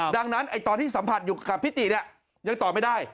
ดังนั้นตอนที่สัมผัสอยู่กับพี่ติเนี่ยยังตอบไม่ได้